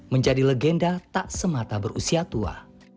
menjadi legenda tak semata berusia tua